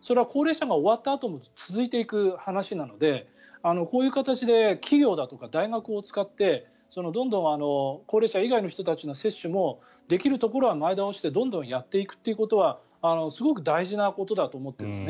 それは高齢者が終わったあとも続いていく話なのでこういう形で企業だとか大学を使ってどんどん高齢者以外の人たちの接種もできるところは前倒してどんどんやっていくということはすごく大事なことだと思っています。